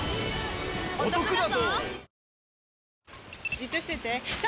じっとしてて３！